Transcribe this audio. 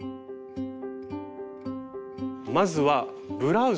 まずはブラウス。